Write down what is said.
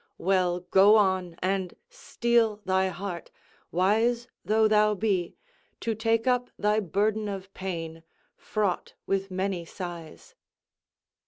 Well, go on, and steel thy heart, wise though thou be, to take up thy burden of pain, fraught with many sighs."